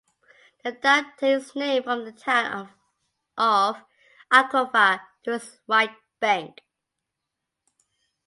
The dam takes its name from the town of Alqueva to its right bank.